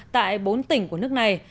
tại bốn tỉnh của nước này